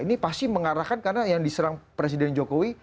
ini pasti mengarahkan karena yang diserang presiden jokowi